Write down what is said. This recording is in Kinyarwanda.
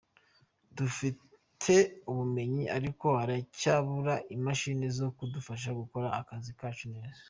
Dufite ubumenyi ariko haracyabura imashini zo kudufasha gukora akazi kacu neza.